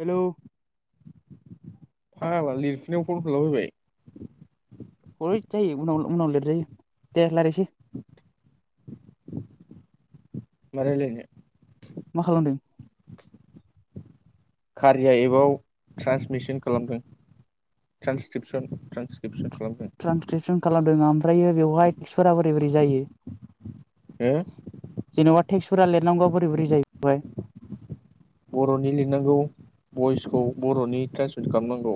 हेल' फाग्ला लिरफुनायाव कल खालामबायबाय अय जायो उनाव उनाव लिरजायो दे रायलायसै मा रायलायनो? मा खालामदों? कारिया एपाव ट्रान्सक्रिपसन खालामदों ट्रान्सक्रिपसन ट्रान्सक्रिपसन खालामदों ट्रेन्सक्रिपसन खालामदों आं ओमफ्रायो बेवहाय [inaudible] बोरै बोरै जायो। हो नङा टेक्सफोरा लिरनांगौआ बोरै बोरै जायो [unintelligible] बर'नि लिरनांगौ भइसखौ बर'नि ट्रेन्सलेट खालामनांगौ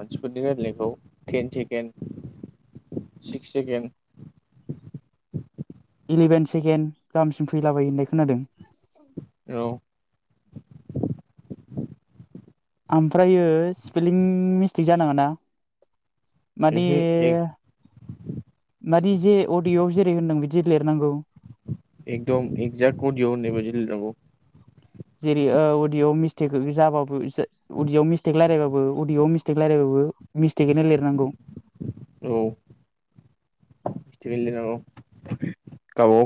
मानसिफोरनि रायजनायखौ ten second six second eleven second गाहामसिम फैलाबायो होनना खोनादों। औ। ओमफ्रायो स्पेलिं मिस्टेक जानाङाना मादि ओहो मादि जे अडिय'आव जेरै होनदों बिदि लिरनांगौ। एकदम एक्जेक्ट अडिय' होननाय बायदि लिरनांगौ। जेरै अडियआव मिस्टेक जाबाबो उडिआव मिस्टेक रायलायबाबो अडिय'आव मिस्टेक रायलायबाबो मिस्टेकआनो लिरनांगौ। औ गावबागाव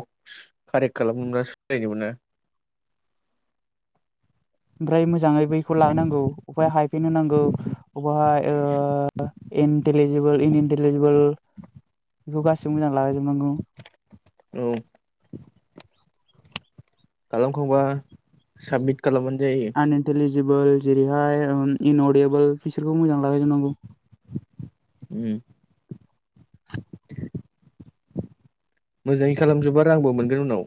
कारेक्ट खालामनोब्ला सोलायनो मोना ओमफ्राय मोजाङै बैखौ लानांगौ अबावहाय फिन होनांगौ बबावहाय ओ इन्टलिजिबोल इनइन्टिलिजिबोल बेखौ गासिबो मोजां लागायजोबनांगौ। औ। खालामखांबा साबमिट खालामबानो जायो आनइन्टेलिजिबल जेरैहाय इन'डेबोल बिसोरखौ मोजां लागायजोबनांगौ उम मोजाङै खालामजोबा रांबो मोनगोन उनाव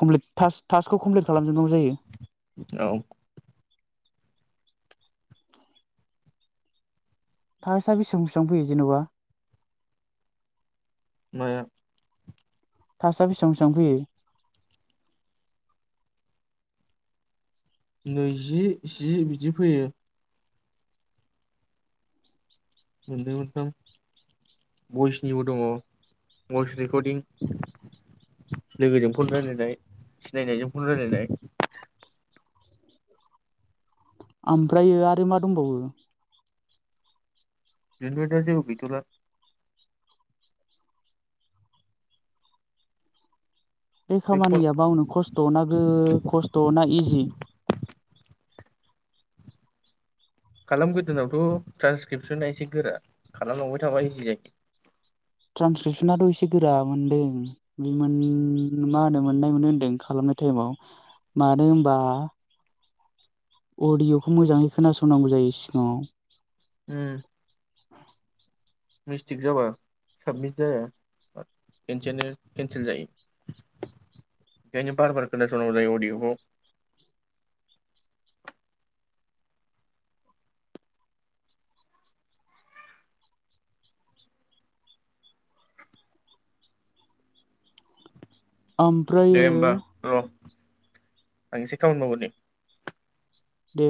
कमप्लिट टास थास्कखौ कमप्लिट खालामजोबनांगौ जायो औ थासा बेसेबां बेसेबां फैयो जेनेबा माया थासआ बेसेबां बेसेबां फैयो नैजि जि बिदि फैयो मोननै मोनथाम भइसनिबो दङ भइस रेकर्दिं लोगोजों फन रायज्लायनाय सिनायनायजों फन रायज्लायनाय ओमफ्रायो आरो मा दंबावो बेनिफ्रायथ' जेबो गैथला बे खामानिया बावनो खस्थ'ना गो खस्थ'ना इजि खालाम गोदोनावथ' ट्रान्सक्रिपसना एसे गोरा खालामलांबाय थाबा इजि जायो। ट्रान्सकेपसनाथ' एसे गोरा मोनदों बे मा होनो मोननाय मोनो होनदों खालामनाय टाइमाव मानो होनबा अदिय'खौ मोजाङै खोनासंनांगौ जायो सिगाङाव। उम [inaudible] मिस्टेक जाबा साबमिट जाया खसेनो केनसेल जायो ओंखायनो बार बार खोनथासंनांगौ जायो अडिय'खौ दे ओमफ्रायो होमबा र' आं इसे खामानि मावग्रोनि दे